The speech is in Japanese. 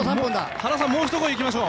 原さん、もう一声いきましょう！